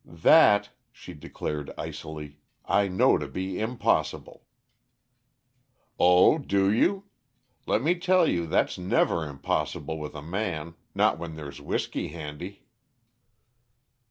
"That," she declared icily, "I know to be impossible!" "Oh, do you? Let me tell you that's never impossible with a man, not when there's whisky handy."